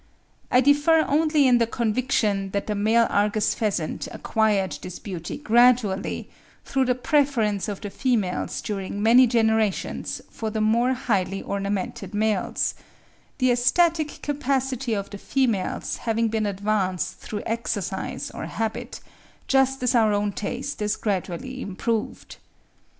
I differ only in the conviction that the male Argus pheasant acquired his beauty gradually, through the preference of the females during many generations for the more highly ornamented males; the aesthetic capacity of the females having been advanced through exercise or habit, just as our own taste is gradually improved.